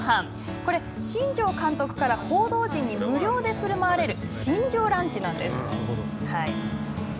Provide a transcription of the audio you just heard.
これ、新庄監督から報道陣に無料でふるまわれる新庄ランチなんです。